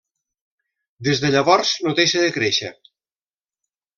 Des de llavors, no deixa de créixer.